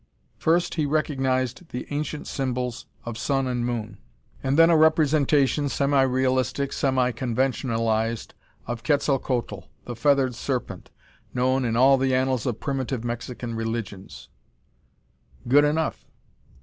First he recognized the ancient symbols of Sun and Moon. And then a representation, semi realistic, semi conventionalized, of Quetzalcoatl, the Feathered Serpent, known in all the annals of primitive Mexican religions. Good enough.